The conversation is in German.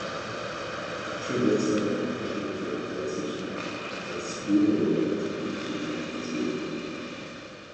Für letztere engagierte er sich auch als Juror auf Bundes- und Landesebene.